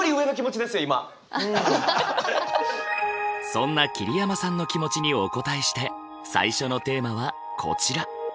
そんな桐山さんの気持ちにお応えして最初のテーマはこちら。